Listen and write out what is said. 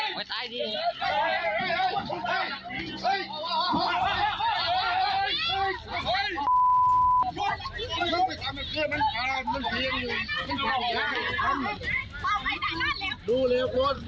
มันตายนี่